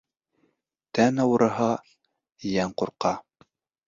Тән ауырыһа, йән ҡурҡа.